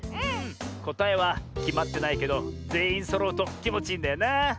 こたえはきまってないけどぜんいんそろうときもちいいんだよな。